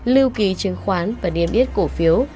lưu ký chứng khoán và điểm yết cổ phiếu